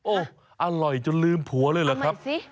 โอ้โหอร่อยจนลืมผัวเลยเหรอครับ